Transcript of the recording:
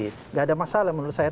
tidak ada masalah menurut saya